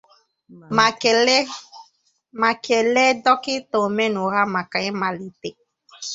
ma kèléé Dọkịta Omenụgha maka ịmalite